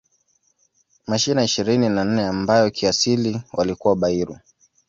Mashina ishirini na nne ambayo kiasili walikuwa Bairu